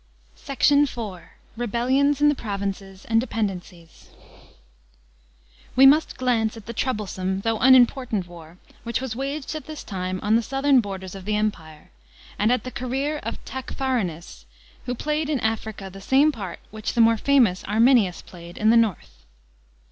SECT. IV.— REBELLIONS IN THE PROVINCES AND DEPEND: § 17. We must glance at the troublesome, though unimportant, war which was waged at this time on the southern borders of the Empire, and at the career of Tacfarinas, who played in Africa the same part which the more famous Arrainius played in the north.